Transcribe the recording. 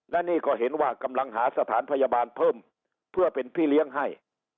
และนี่ก็เห็นว่ากำลังหาสถานพยาบาลเพิ่มเพื่อเป็นพี่เลี้ยงให้